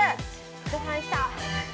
◆お疲れさまでした。